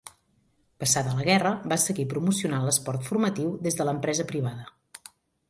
Passada la guerra va seguir promocionant l'esport formatiu des de l'empresa privada.